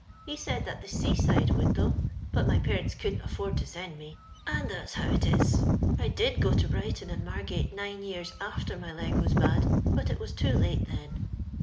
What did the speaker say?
He said that the seaside would, though ; but my parents couldn't afford to send me, and that's how it is. I did go to Brighton and Margate nine years after my leg was bad, but it was too late then.